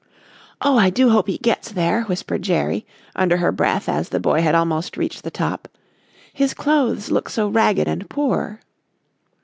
"Oh, I do hope he gets there," whispered Jerry, under her breath as the boy had almost reached the top, "his clothes look so ragged and poor."